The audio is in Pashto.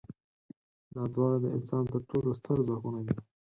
دا دواړه د انسان تر ټولو ستر ځواکونه دي.